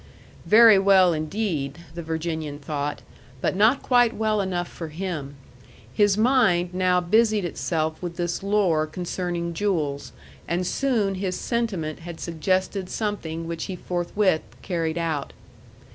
Very well indeed, the Virginian thought. But not quite well enough for him. His mind now busied itself with this lore concerning jewels, and soon his sentiment had suggested something which he forthwith carried out.